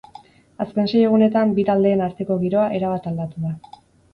Azken sei egunetan bi taldeen arteko giroa erabat aldatu da.